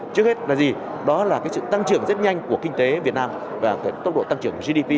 trước hết là gì đó là sự tăng trưởng rất nhanh của kinh tế việt nam và tốc độ tăng trưởng gdp